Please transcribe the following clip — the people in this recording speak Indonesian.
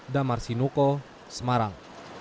damar sinuko semarang